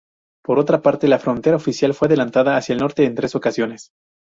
Por otra parte, la frontera oficial fue adelantada hacia el norte en tres ocasiones.